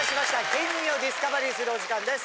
県民をディスカバリーするお時間です！